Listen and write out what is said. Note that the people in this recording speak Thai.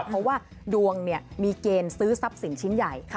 เพราะว่าดวงมีเกณฑ์ซื้อทรัพย์สินชิ้นใหญ่